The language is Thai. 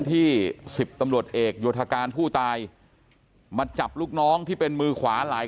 ที่สิบตำรวจเอกโยธการผู้ตายมาจับลูกน้องที่เป็นมือขวาหลาย